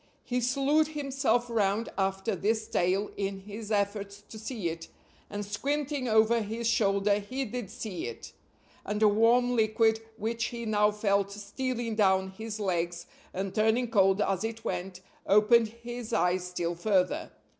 He slewed himself round after this tail in his efforts to see it, and squinting over his shoulder he did see it; and a warm liquid which he now felt stealing down his legs and turning cold as it went, opened his eyes still farther.